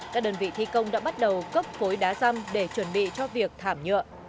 các đơn vị thi công đã bắt đầu cấp phối đá răm để chuẩn bị cho việc thảm nhựa